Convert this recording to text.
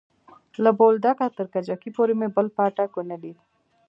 له بولدکه تر کجکي پورې مې بل پاټک ونه ليد.